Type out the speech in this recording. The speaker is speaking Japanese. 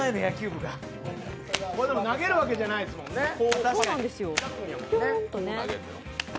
これ、でも投げるわけじゃないですもんね。